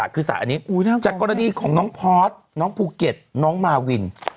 คืออันนี้จากกรณีของน้องพอร์สน้องภูเก็ตน้องมาวิน